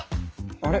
あれ？